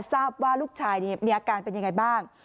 ทราบว่าลูกชายมีอาการเป็นยังไงบ้าง